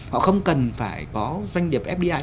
họ không cần phải có doanh nghiệp fdi